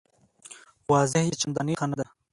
وضع یې چنداني ښه نه ده.